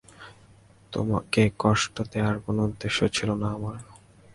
তোমকে কষ্ট দেয়ার কোনো উদ্দেশ্য ছিলো না আমার।